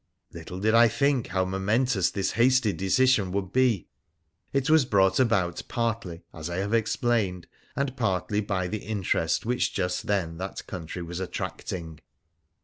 Little did I think how momentous this hasty decision would be ! It was brought about partly as I have explained, and partly by the interest which just then that country was attracting.